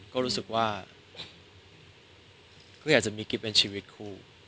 ก็รู้สึกว่าเขาอยากจะมีกิ๊บเป็นชีวิตคู่